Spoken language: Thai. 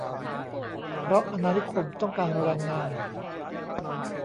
เพราะอาณานิคมต้องการแรงงาน